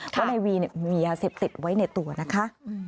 เพราะในวีมียาเสพติดไว้ในตัวนะคะ